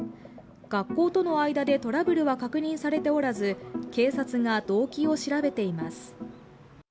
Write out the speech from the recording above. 学校との間でトラブルは確認されておらず、警察が動機を調べています。